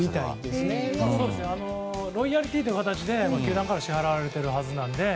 ロイヤリティーという形で球団から支払われているはずなので。